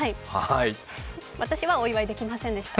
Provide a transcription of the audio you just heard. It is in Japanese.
私はお祝いできませんでした。